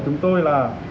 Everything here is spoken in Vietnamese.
chúng tôi là